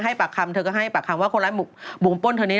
ปากคำเธอก็ให้ปากคำว่าคนร้ายบุกป้นเธอนี้